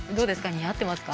似合ってますか？